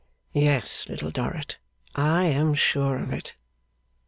'Yes, Little Dorrit, I am sure of it.